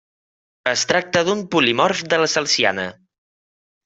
Es tracta d'un polimorf de la celsiana.